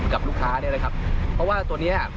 กับลูกค้าเนี่ยนะครับเพราะว่าตัวเนี้ย